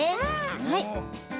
はい。